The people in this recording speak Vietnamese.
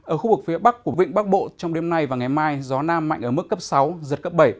ở khu vực phía bắc của vịnh bắc bộ trong đêm nay và ngày mai gió nam mạnh ở mức cấp sáu giật cấp bảy